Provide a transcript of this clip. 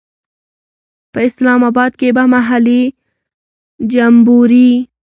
په اسلام آباد کې به محلي جمبوري.